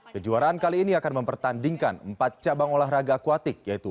kejuaraan kali ini akan mempertandingkan empat cabang olahraga akuatik yaitu